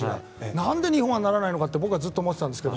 何で、日本はならないのかってずっと言ってたんですけど。